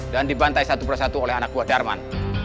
dan dibantai satu persatu oleh anak buah darman